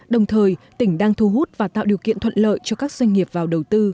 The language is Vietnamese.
đồng thời tỉnh đang thu hút và tạo điều kiện thuận lợi cho các doanh nghiệp vào đầu tư